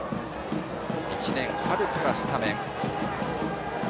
１年春からスタメン。